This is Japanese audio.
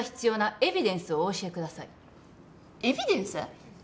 エビデンス？